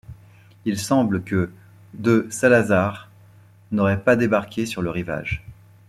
Il semble que De Salazar n'aurait pas débarqué sur le rivage.